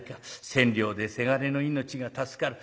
千両で倅の命が助かる。